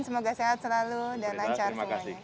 semoga sehat selalu dan lancar semuanya